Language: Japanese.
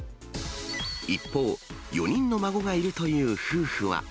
一方、４人の孫がいるという夫婦は。